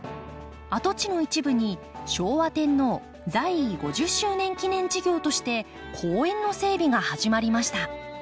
跡地の一部に昭和天皇在位５０周年記念事業として公園の整備が始まりました。